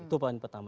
itu paling pertama